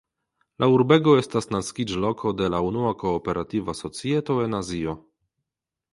La urbego estas naskiĝloko de la unua kooperativa societo en Azio.